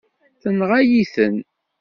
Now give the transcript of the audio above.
Tenɣa-yi-ten.